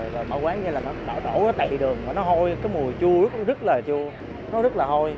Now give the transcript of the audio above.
bảo quán như là nó đỏ đổ nó tệ đường nó hôi cái mùi chua rất là chua nó rất là hôi